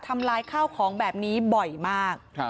ลายข้าวของแบบนี้บ่อยมาก